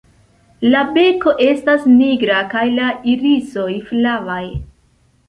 La beko estas nigra kaj la irisoj flavaj.